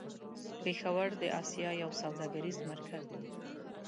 پېښور د آسيا يو سوداګريز مرکز و.